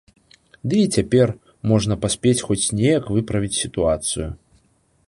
Ды і цяпер можна паспець хоць неяк выправіць сітуацыю.